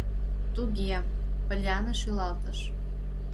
— Туге, — Поллианна шӱлалтыш.